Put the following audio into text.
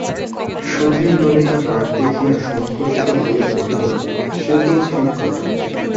সুধীর ললিতার রাগ দেখিয়া সংকুচিত হইয়া কহিল, সে তো ঠিক কথা।